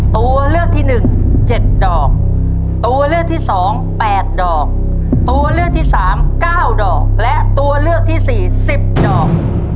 ตัวเลือกที่๑๗ดอกตัวเลือกที่๒๘ดอกตัวเลือกที่๓๙ดอกและตัวเลือกที่๔๑๐ดอก